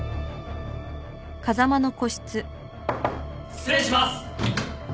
失礼します！